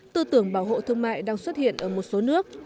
tư tưởng bảo hộ thương mại đang xuất hiện ở một số nước